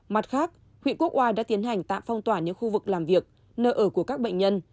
mặt khác huyện quốc oai đã tiến hành tạm phong tỏa những khu vực làm việc nơi ở của các bệnh nhân